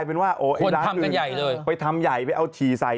คนทำใหญ่ไปทำใหญ่ไปเอาฉีดใส่